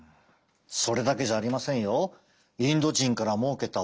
それだけじゃありませんよ。